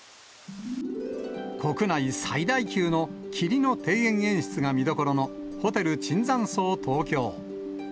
国内最大級の霧の庭園演出が見どころの、ホテル椿山荘東京。